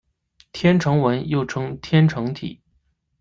天城文又称天城体。